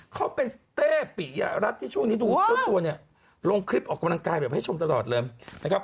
เขาเป็นเต้ปิยรัฐที่ช่วงนี้ดูเจ้าตัวเนี่ยลงคลิปออกกำลังกายแบบให้ชมตลอดเลยนะครับ